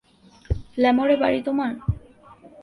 ল্যামোরে বাড়ি তোমার?